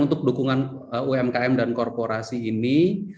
untuk dukungan umkm dan korporasi ini